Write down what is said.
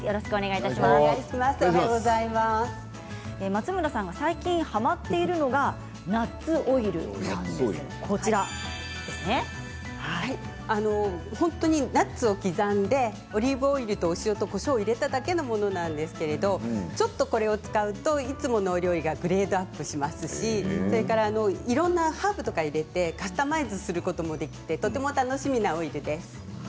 松村さんが最近はまっているのがナッツオイル本当に、ナッツを刻んでオリーブオイルと、お塩とこしょうを入れただけのものなんですけれどもちょっとこれを使うといつものお料理がグレードアップしますしそれから、いろんなハーブとかを入れてカスタマイズすることもできて、とても楽しみなオイルです。